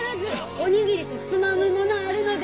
お握りとつまむものあるので。